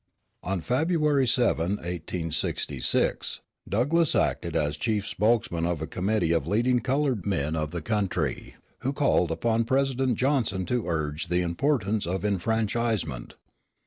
On February 7, 1866, Douglass acted as chief spokesman of a committee of leading colored men of the country, who called upon President Johnson to urge the importance of enfranchisement.